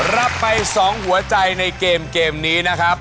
รับไป๒หัวใจในเกมนี้นะครับ